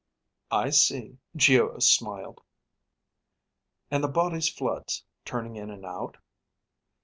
"I see," Geo smiled. "And the body's floods, turning in and out?"